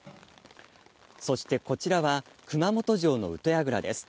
そしてこちらは熊本城の宇土櫓です。